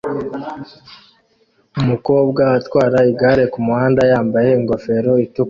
Umukobwa atwara igare kumuhanda yambaye ingofero itukura